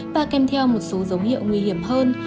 và kèm theo một số dấu hiệu nguy hiểm hơn